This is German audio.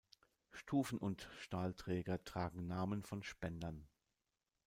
Stufen und Stahlträger tragen Namen von Spendern.